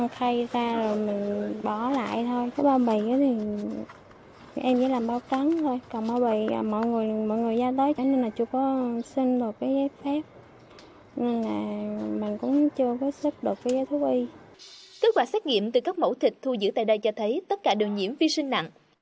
kết quả xét nghiệm từ các mẫu thịt thu giữ tại đây cho thấy tất cả đều nhiễm vi sinh nặng